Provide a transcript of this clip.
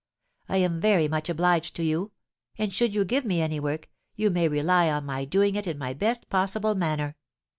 I am very much obliged to you; and should you give me any work, you may rely on my doing it in my best possible manner.